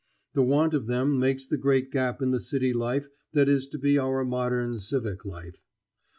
The want of them makes the great gap in the city life that is to be our modern civic life.